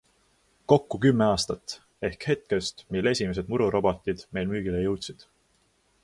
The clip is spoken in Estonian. Kokku kümme aastat ehk hetkest, mil esimesed mururobotid meil müügile jõudsid.